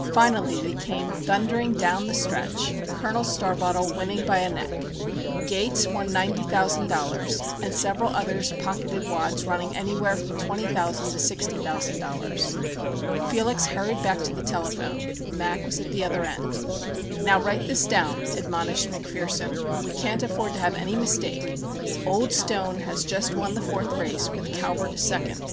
Finally they came thundering down to the stretch, Col. Starbottle winning by a neck. "Gates" won $90,000, and several others pocketed wads running anywhere from $20,000 to $60,000. Felix hurried back to the telephone. "Mac" was at the other end. "Now write this down," admonished McPherson; "we can't afford to have any mistake. Old Stone has just won the fourth race, with Calvert second.